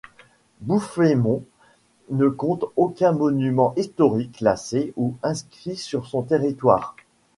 Bouffémont ne compte aucun monument historique classé ou inscrit sur son territoire.